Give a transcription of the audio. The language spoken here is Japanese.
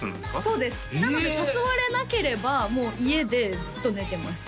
そうですなので誘われなければもう家でずっと寝てます